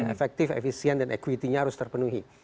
efektif efisien dan equity nya harus terpenuhi